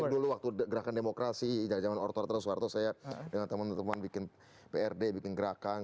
dulu waktu gerakan demokrasi zaman orto orto soeharto saya dengan teman teman bikin prd bikin gerakan